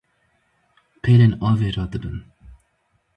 pêlên avê radibin.